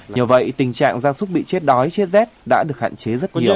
nhờ vậy tình trạng gia súc bị chết đói chết rét đã được hạn chế rất nhiều